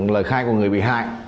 lời khai của người bị hại